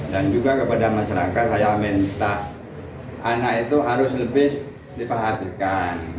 dan juga kepada masyarakat saya minta anak itu harus lebih dipahatikan